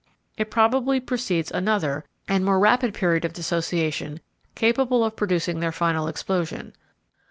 It probably precedes another and more rapid period of dissociation capable of producing their final explosion.